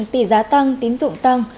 tỷ giá tăng tín dụng tăng